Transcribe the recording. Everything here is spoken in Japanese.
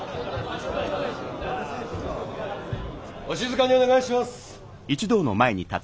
お静かにお願いします。